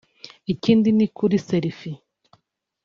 ikindi ni kuri selfie